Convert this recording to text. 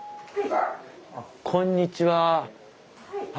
こんにちは。